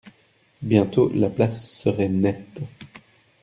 Bientôt, la place serait nette.